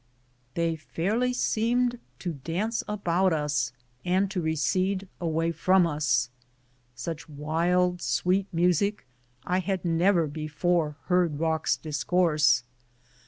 They fairly seemed to dance about us, and to recede away from us. Such wild, sweet music 248 IN MAMMOTH CAVE I had never before heard rocks discourse.